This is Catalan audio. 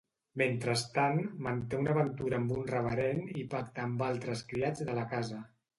Mentrestant manté una aventura amb un reverend i pacta amb altres criats de la casa.